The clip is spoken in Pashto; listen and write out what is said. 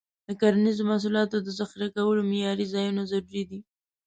د کرنیزو محصولاتو د ذخیره کولو معیاري ځایونه ضروري دي.